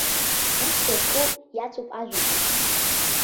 Актәи ашәҟәы иацуп ажәақәа.